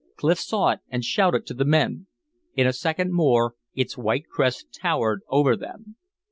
Clif saw it, and shouted to the men. In a second more its white crest towered over them.